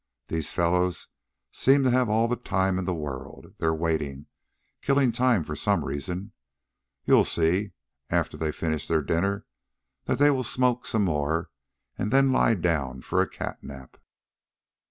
These fellows seem to have all the time in the world. They're waiting killing time for some reason. You'll see, after they finish their dinner, that they will smoke some more, then lie down for a catnap."